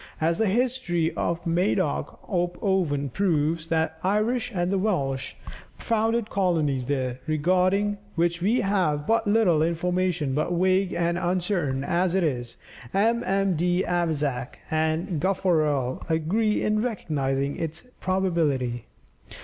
As the history of Madoc op Owen proves, the Irish and Welsh founded colonies there, regarding which we have but little information, but vague and uncertain as it is, MM. d'Avezac and Gaffarel agree in recognizing its probability.